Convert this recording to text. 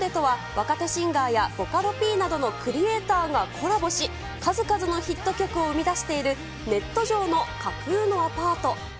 メゾン・デとは若手シンガーやボカロＰなどのクリエーターがコラボし、新たなヒット曲を生み出しているネット上の架空のアパート。